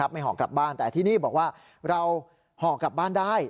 ห่อกลับบ้านแต่ที่นี่บอกว่าเราห่อกลับบ้านได้